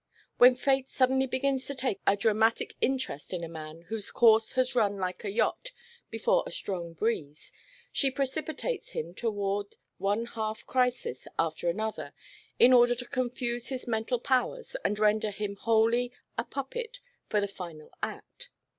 When Fate suddenly begins to take a dramatic interest in a man whose course has run like a yacht before a strong breeze, she precipitates him toward one half crisis after another in order to confuse his mental powers and render him wholly a puppet for the final act.